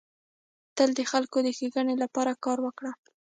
تل د خلکو د ښيګڼي لپاره کار وکړه.